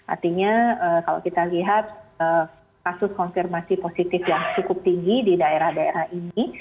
artinya kalau kita lihat kasus konfirmasi positif yang cukup tinggi di daerah daerah ini